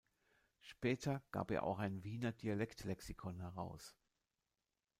Später gab er auch ein "Wiener Dialekt-Lexikon" heraus.